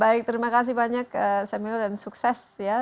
baik terima kasih banyak samuel dan sukses ya